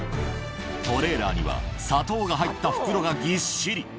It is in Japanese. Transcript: トレーラーには、砂糖が入った袋がぎっしり。